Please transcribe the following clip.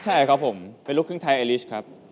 ใช่ครับผมเป็นลูกครึ่งไทยไอลิสครับ